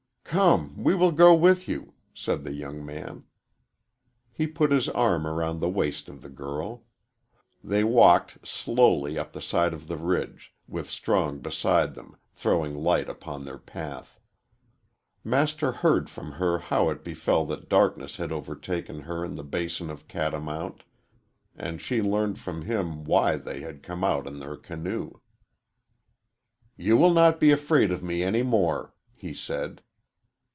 "Come, we will go with you," said the young man. He put his arm around the waist of the girl. They walked slowly up the side of the ridge, with Strong beside them, throwing light upon their path. Master heard from her how it befell that darkness had overtaken her in the basin of Catamount, and she learned from him why they had come out in their canoe. "You will not be afraid of me any more," he said.